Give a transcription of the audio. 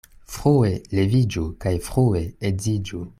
Frue leviĝu kaj frue edziĝu.